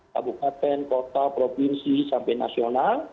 kabupaten kota provinsi sampai nasional